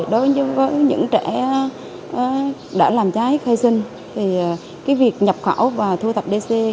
đối với những trẻ đã làm trái khai sinh thì việc nhập khảo và thu thập dc một